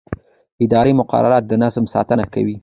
اداري مقررات د نظم ساتنه کوي.